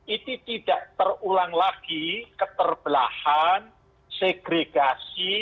itu tidak terulang lagi keterbelahan segregasi